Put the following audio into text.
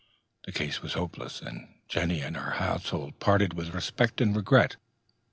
The case was hopeless, and Jenny and our household parted with respect and regret.